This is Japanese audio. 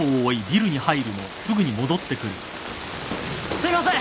すいません